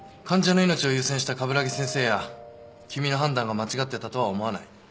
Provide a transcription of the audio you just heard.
患者の命を優先した鏑木先生や君の判断が間違ってたとは思わない。